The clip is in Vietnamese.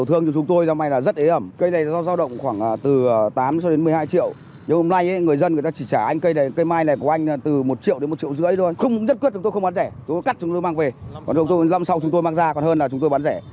chúng cũng nhất quyết chúng tôi không bán rẻ chúng tôi cắt chúng tôi mang về còn lần sau chúng tôi mang ra còn hơn là chúng tôi bán rẻ